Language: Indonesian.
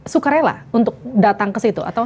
suka rela untuk datang ke situ atau